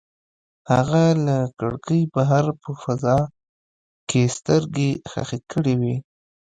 هغه له کړکۍ بهر په فضا کې سترګې ښخې کړې وې.